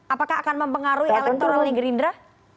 apakah akan mempengaruhi elektoralnya gerindra